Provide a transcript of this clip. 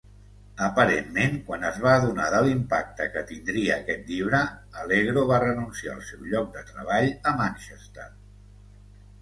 Aparentment, quan es va adonar de l'impacte que tindria aquest llibre, Allegro va renunciar al seu lloc de treball a Manchester.